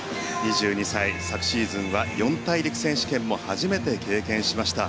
２２歳昨シーズンは四大陸選手権も初めて経験しました。